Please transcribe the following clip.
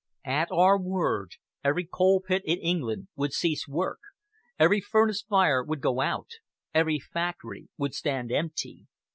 At our word, every coal pit in England would cease work, every furnace fire would go out, every factory would stand empty.